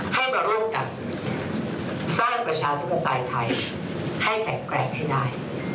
ให้มาร่วมกันสร้างประชาธุรกรรมปลายไทยให้แตกแกร่งให้ได้